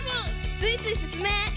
スイスイすすめ！